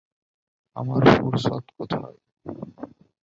আমার ফুরসত কোথায়?